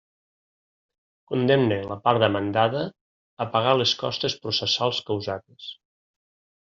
Condemne la part demandada a pagar les costes processals causades.